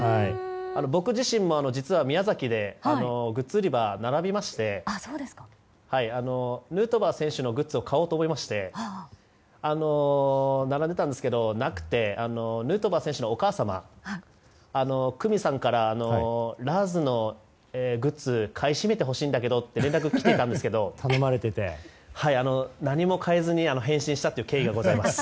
僕自身も実は宮崎でグッズ売り場にヌートバー選手のグッズを買おうと思いまして並んでいたんですが、なくてヌートバー選手のお母様久美子さんからラーズのグッズ買い占めてほしいんだけどって連絡、来ていたんですけど何も買えずに返信したっていう経緯がございます。